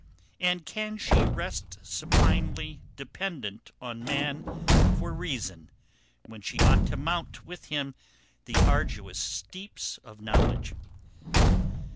And can she rest supinely dependent on man for reason, when she ought to mount with him the arduous steeps of knowledge?